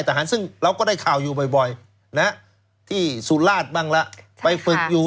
ซึ่งเราก็ได้ข่าวอยู่บ่อยนะที่สุราชบ้างละไปฝึกอยู่